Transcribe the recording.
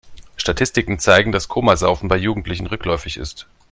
Statistiken zeigen, dass Komasaufen bei Jugendlichen rückläufig ist.